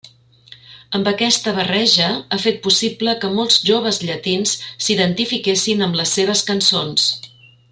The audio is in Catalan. Amb aquesta barreja ha fet possible que molts joves llatins s'identifiquessin amb les seves cançons.